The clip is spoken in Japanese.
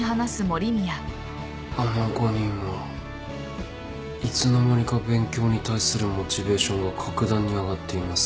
あの５人もいつの間にか勉強に対するモチベーションが格段に上がっています。